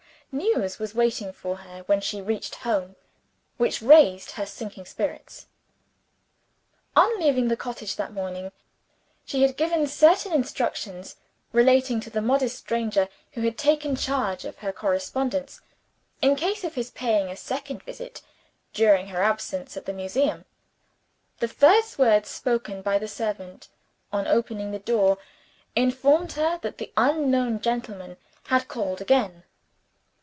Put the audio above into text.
News was waiting for her when she reached home, which raised her sinking spirits. On leaving the cottage that morning she had given certain instructions, relating to the modest stranger who had taken charge of her correspondence in case of his paying a second visit, during her absence at the Museum. The first words spoken by the servant, on opening the door, informed her that the unknown gentleman had called again.